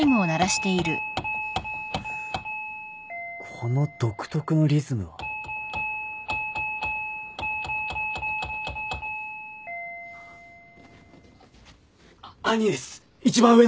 ・この独特のリズムは。あっ兄です一番上の！